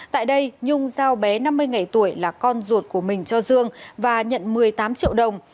tại đây nhung giao bé năm mươi ngày tuổi là con ruột của mình cho dương và nhận một mươi tám triệu đồng